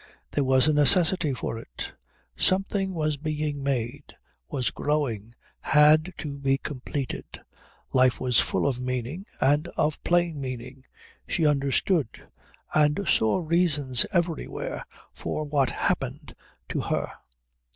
There was a necessity for it; something was being made, was growing, had to be completed; life was full of meaning, and of plain meaning; she understood and saw reasons everywhere for what happened to her.